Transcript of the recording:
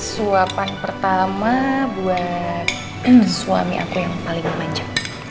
suapan pertama buat suami aku yang paling memanjat